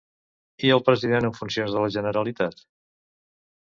I el president en funcions de la Generalitat?